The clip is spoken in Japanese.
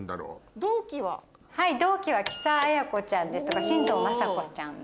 同期は木佐彩子ちゃんですとか進藤晶子ちゃん。